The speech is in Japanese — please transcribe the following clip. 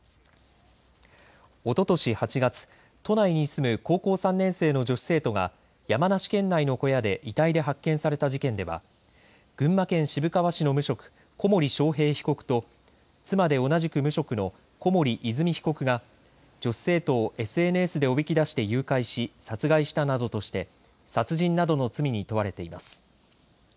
おととし８月、都内に住む高校３年生の女子生徒が山梨県内の小屋で遺体で発見された事件では群馬県渋川市の無職、小森章平被告と妻で同じく無職の小森和美被告が女子生徒をＳＮＳでおびき出して誘拐し殺害したなどとして殺人などの罪に問われています。